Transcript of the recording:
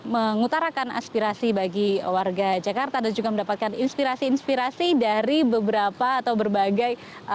mengutarakan aspirasi bagi warga jakarta dan juga mendapatkan inspirasi inspirasi dari beberapa atau berbagai